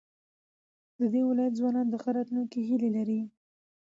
د دې ولايت ځوانان د ښه راتلونکي هيلې لري.